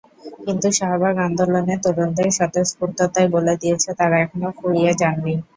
কিন্তু শাহবাগ আন্দোলনে তরুণদের স্বতঃস্ফূর্ততাই বলে দিয়েছে, তাঁরা এখনো ফুরিয়ে যাননি।